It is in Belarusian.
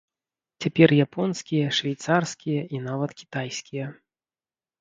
Цяпер японскія, швейцарскія і нават кітайскія.